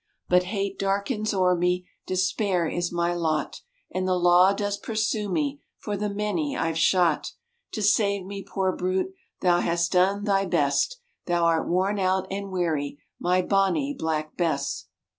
But hate darkens o'er me, Despair is my lot, And the law does pursue me For the many I've shot; To save me, poor brute, Thou hast done thy best, Thou art worn out and weary, My Bonnie Black Bess.